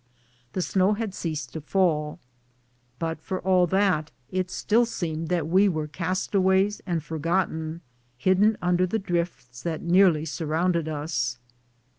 Tlie snow had ceased to fall, but for all that it still seemed that we were castaways and forgotten, hidden under the drifts that nearly surrounded us.